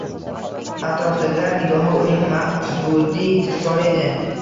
Atrofdagilar nigohi uning ma’budiy timsoli edi.